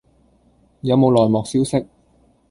有冇內幕消息